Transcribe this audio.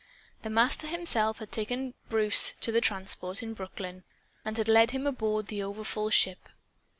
The Master himself had taken Bruce to the transport, in Brooklyn, and had led him aboard the overfull ship.